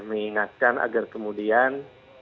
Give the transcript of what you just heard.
mengingatkan agar kemudian